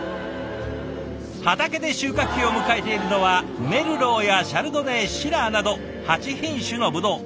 畑で収穫期を迎えているのはメルローやシャルドネシラーなど８品種のブドウ。